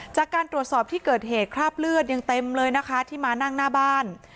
จากการตรวจสอบที่เกิดเหตุคราบเลือดยังเต็มเลยนะคะที่มานั่งหน้าบ้าน